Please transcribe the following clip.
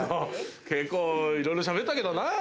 結構いろいろしゃべったけどな。